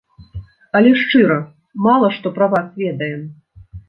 Але, шчыра, мала што пра вас ведаем.